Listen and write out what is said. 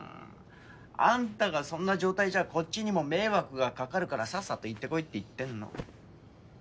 あんたがそんな状態じゃこっちにも迷惑が掛かるからさっさと行ってこいって言ってんの。